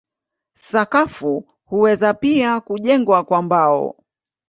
Sakafu huweza pia kujengwa kwa mbao.